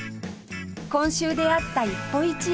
今週出会った一歩一会